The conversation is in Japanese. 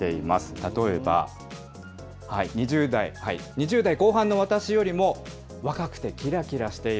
例えば、２０代後半の私よりも、若くてきらきらしている。